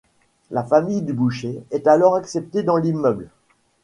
La famille du boucher est alors acceptée dans l'immeuble.